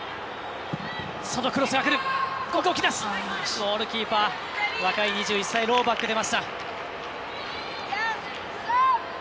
ゴールキーパー、若い２１歳のローバックが出ました。